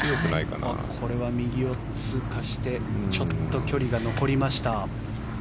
これは右を通過してちょっと距離が残りました。